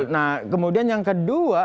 nah kemudian yang kedua